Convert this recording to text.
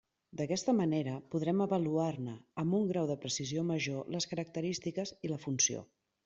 D'aquesta manera podrem avaluar-ne amb un grau de precisió major les característiques i la funció.